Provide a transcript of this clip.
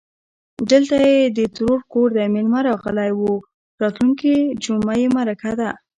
_دلته يې د ترور کور دی، مېلمه راغلی و. راتلونکې جومه يې مرکه ده.